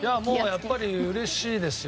やっぱり嬉しいですよ